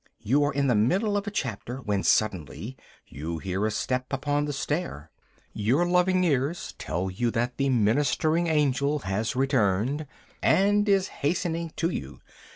You are in the middle of a chapter, when suddenly you hear a step upon the stair. Your loving ears tell you that your wife has returned, and is hastening to you.